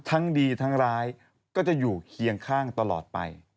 ทั้งดีทั้งร้ายก็จะอยู่เคียงข้างตลอดไป